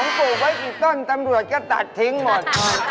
ปลูกไว้กี่ต้นตำรวจก็ตัดทิ้งหมด